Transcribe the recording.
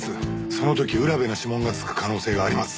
その時浦部の指紋が付く可能性があります。